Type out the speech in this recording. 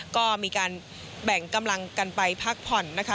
ก็มีการแบ่งกำลังกันไปพักผ่อนนะคะ